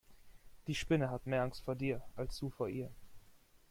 Die Spinne hat mehr Angst vor dir als du vor ihr.